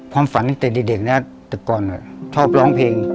ความฝันตั้งแต่เด็กนะแต่ก่อนชอบร้องเพลง